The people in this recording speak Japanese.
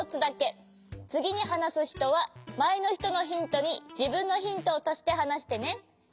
つぎにはなすひとはまえのひとのヒントにじぶんのヒントをたしてはなしてね。